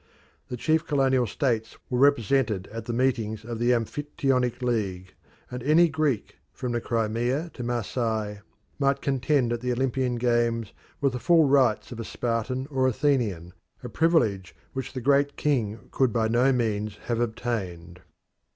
The chief colonial states were represented at the meetings of the Amphictyonic League, and any Greek from the Crimea to Marseilles might contend at the Olympian Games with the full rights of a Spartan or Athenian, a privilege which the Great King could by no means have obtained.